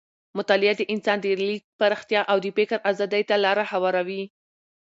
مطالعه د انسان د لید پراختیا او د فکر ازادۍ ته لاره هواروي.